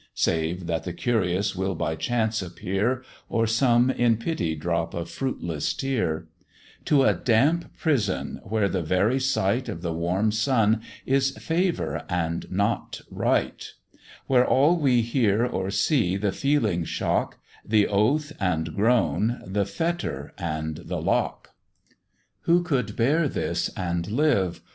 (Save that the curious will by chance appear, Or some in pity drop a fruitless tear); To a damp Prison, where the very sight Of the warm sun is favour and not right; Where all we hear or see the feelings shock, The oath and groan, the fetter and the lock? Who could bear this and live?